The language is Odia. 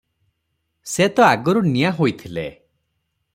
ସେ ତ ଆଗରୁ ନିଆଁ ହୋଇଥିଲେ ।